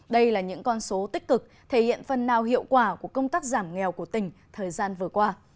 đây là những con số tích cực thể hiện phần nào hiệu quả của công tác giảm nghèo của tỉnh thời gian vừa qua